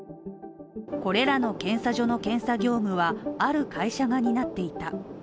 これらの検査所の検査業務はある会社が担っていた。